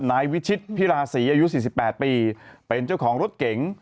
นายวิชิตพิราศรีอายุ๔๘ปีเป็นเจ้าของรถเก๋ง